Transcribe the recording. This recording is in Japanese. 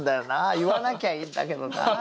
言わなきゃいいんだけどな。